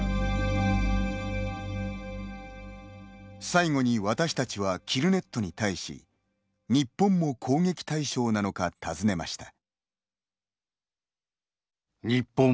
最後に私たちはＫＩＬＬＮＥＴに対し日本も攻撃対象なのか尋ねました。